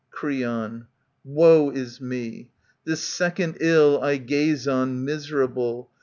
] Creon, Woe is me ! This second ill I gaze on, miserable.